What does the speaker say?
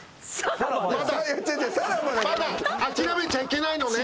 まだまだ諦めちゃいけないのねん。